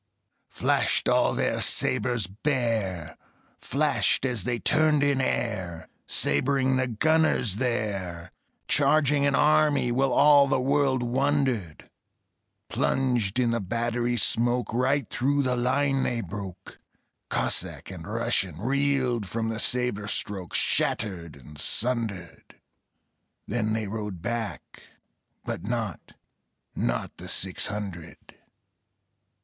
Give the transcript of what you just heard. Flashed all their sabres bare, Flashed as they turned in air, Sabring the gunners there, Charging an army, while All the world wondered; Plunged in the battery smoke, Right through the line they broke. Cossack and Russian Reeled from the sabre stroke, Shattered and sundered. Then they rode back, but not Not the six hundred.